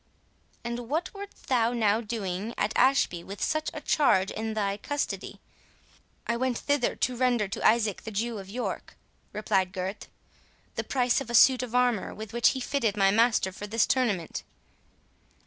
"And what wert thou now doing at Ashby with such a charge in thy custody?" "I went thither to render to Isaac the Jew of York," replied Gurth, "the price of a suit of armour with which he fitted my master for this tournament."